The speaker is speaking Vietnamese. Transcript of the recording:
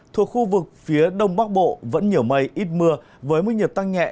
thuộc khu vực phía đông bắc bộ vẫn nhiều mây ít mưa với mức nhiệt tăng nhẹ